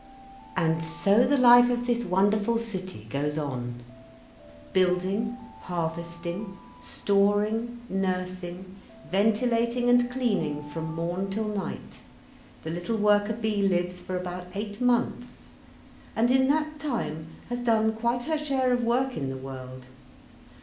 And so the life of this wonderful city goes on. Building, harvesting, storing, nursing, ventilating and cleaning from morn till night, the little worker bee lives for about eight months, and in that time has done quite her share of work in the world.